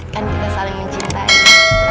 kan kita saling mencintai